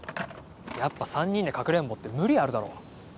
やっぱ３人でかくれんぼって無理あるだろ